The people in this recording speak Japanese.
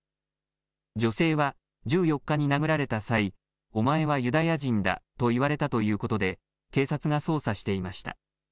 女性は１４日に殴られた際、お前はユダヤ人だと言われたということで、警察が捜査していました。